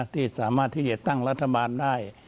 ที่สามารถที่จะตั้งรัฐบาลได้